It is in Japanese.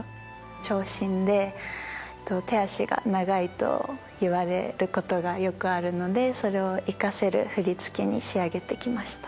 長身で手足が長いと言われることがよくあるのでそれを生かせる振り付けに仕上げてきました。